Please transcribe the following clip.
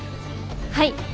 はい。